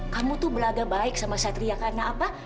kamu tuh belaga baik sama satria karena apa